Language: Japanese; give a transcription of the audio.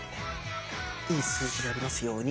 いい数字でありますように。